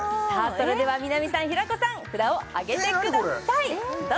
それでは南さん平子さん札を上げてくださいどうぞ！